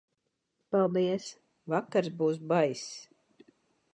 Paldies, vakars būs baiss.